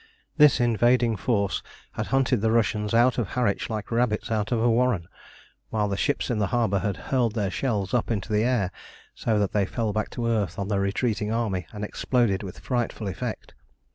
This invading force had hunted the Russians out of Harwich like rabbits out of a warren, while the ships in the harbour had hurled their shells up into the air so that they fell back to earth on the retreating army and exploded with frightful effect.